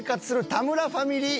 田村ファミリー